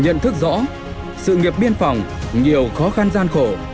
nhận thức rõ sự nghiệp biên phòng nhiều khó khăn gian khổ